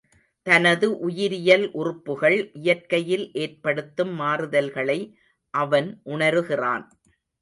தனது உயிரியல் உறுப்புகள் இயற்கையில் ஏற்படுத்தும் மாறுதல்களை அவன் உணருகிறான்.